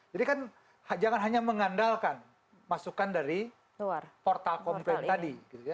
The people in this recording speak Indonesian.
jadi kan jangan hanya mengandalkan masukan dari portal komplain tadi